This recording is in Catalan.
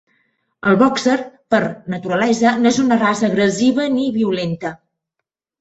El boxer, per, naturalesa no és una raça agressiva ni violenta.